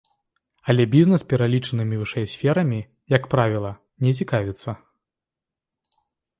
Але бізнес пералічанымі вышэй сферамі, як правіла, не цікавіцца.